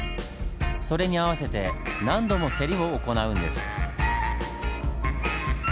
それに合わせて何度もセリを行うんです。